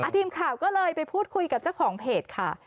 ทีมข่าวก็เลยไปพูดคุยกับเจ้าของเพจค่ะ